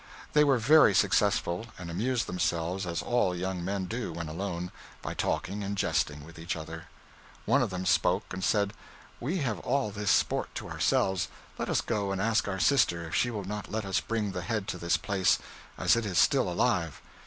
They were very successful, and amused themselves, as all young men do when alone, by talking and jesting with each other. One of them spoke and said, 'We have all this sport to ourselves; let us go and ask our sister if she will not let us bring the head to this place, as it is still alive.